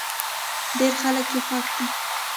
ډېری خلک يې خوښ دی.